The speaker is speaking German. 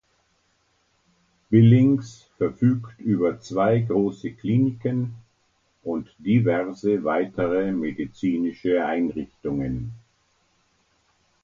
Billings verfügt über zwei große Kliniken und diverse weitere medizinische Einrichtungen.